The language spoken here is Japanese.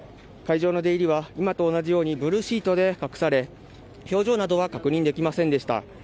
会場の出入りは今と同じようにブルーシートで隠され表情などは確認できませんでした。